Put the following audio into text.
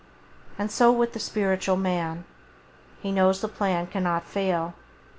And so with the spiritual man. He knows the plan cannot fail.